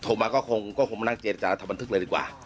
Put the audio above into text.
โทรมาก็คงมานั่งเจรจาทำบันทึกเลยดีกว่า